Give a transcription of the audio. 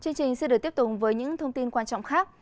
chương trình sẽ được tiếp tục với những thông tin quan trọng khác